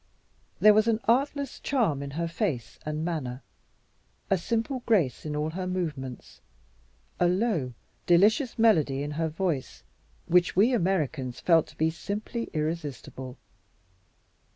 There was an artless charm in her face and manner, a simple grace in all her movements, a low, delicious melody in her voice, which we Americans felt to be simply irresistible.